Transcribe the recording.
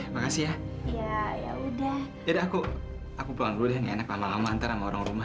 makasih ya ya ya udah aku aku pulang dulu deh enak lama lama antara orang rumah